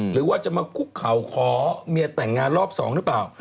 หรือว่าจะมาคุกเข่าขอเมียแต่งงานรอบ๒หรือเปล่า